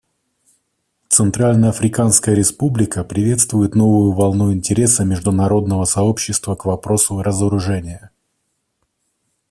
Центральноафриканская Республика приветствует новую волну интереса международного сообщества к вопросу разоружения.